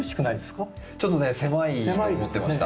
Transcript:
ちょっとね狭いと思ってました。